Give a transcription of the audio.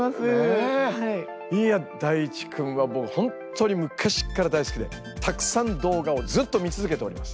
いやＤａｉｃｈｉくんは僕本当に昔から大好きでたくさん動画をずっと見続けております。